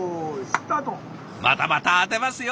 またまた当てますよ。